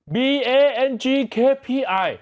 บังกะปิ